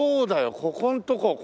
ここんとこ